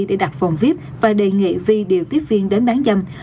để đặt phòng vip và đề nghị vi điều tiếp viên đến bán dâm